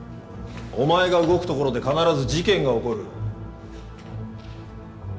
お前が動くところで必ず事件が起こる。